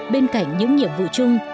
bên cạnh những nhiệm vụ chung